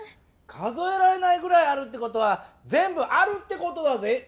数えられないぐらいあるってことはぜんぶあるってことだぜ！